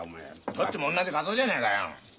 どっちも同じ鰹じゃねえかよ。